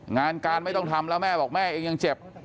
งานการไม่ต้องทำแล้วแม่บอกแม่เองยังเจ็บ